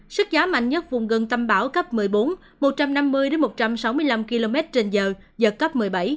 sức gió mạnh nhất vùng gần tâm bão cấp một mươi bốn một trăm năm mươi một trăm sáu mươi năm km trên giờ giật cấp một mươi bảy